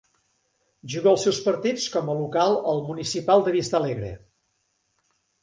Juga els seus partits com a local al Municipal de Vista Alegre.